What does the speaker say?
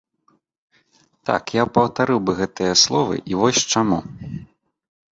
Так, я паўтарыў бы гэтыя словы і вось чаму.